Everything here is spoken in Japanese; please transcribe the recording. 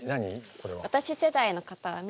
これは。